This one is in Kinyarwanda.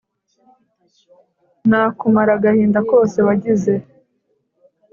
Nakumara agahinda kose wagize